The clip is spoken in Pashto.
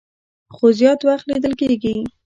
خو زيات وخت ليدل کيږي